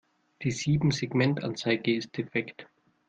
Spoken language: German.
Die Siebensegmentanzeige ist defekt.